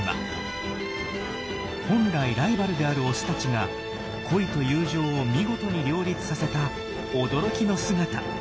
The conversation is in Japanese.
本来ライバルであるオスたちが恋と友情を見事に両立させた驚きの姿。